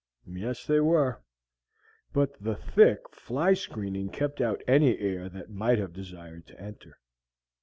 Yes, they were; but the thick fly screening kept out any air that might have desired to enter.